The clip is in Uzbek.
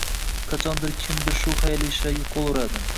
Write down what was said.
Qachondir kimdir shu xayrli ishga qo‘l uradi.